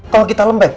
kalau kita lembek